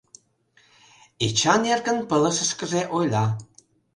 Эчан эркын пылышышкыже ойла: